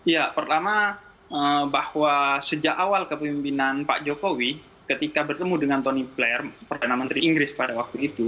ya pertama bahwa sejak awal kepemimpinan pak jokowi ketika bertemu dengan tony player perdana menteri inggris pada waktu itu